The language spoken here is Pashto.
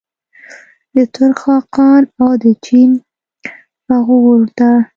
د ترک خاقان او د چین فغفور ته.